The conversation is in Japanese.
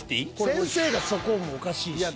先生がそこもおかしいし。